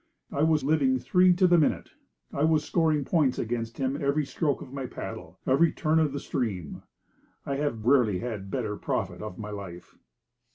I was living three to the minute. I was scoring points against him every stroke of my paddle, every turn of the stream. I have rarely had better profit of my life.